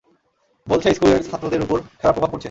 বলছে স্কুলের ছাত্রদের উপর খারাপ প্রভাব পড়ছে।